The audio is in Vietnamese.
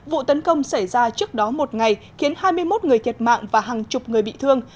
vụ tấn công xảy ra trước đó một ngày khiến hai mươi một người thiệt mạng và hàng chục người bị thương